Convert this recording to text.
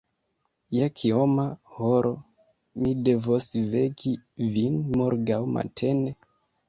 Je kioma horo mi devos veki vin morgaŭ matene?